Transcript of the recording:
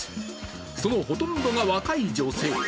そのほとんどが若い女性。